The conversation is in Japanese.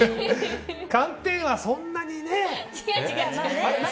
寒天はそんなにね。